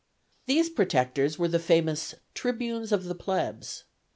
These protectors were the famous Tribunes of the Plebs.